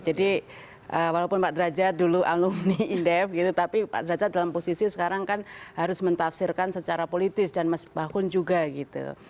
jadi walaupun pak drajat dulu alumni indef tapi pak drajat dalam posisi sekarang kan harus mentafsirkan secara politis dan bahkan juga gitu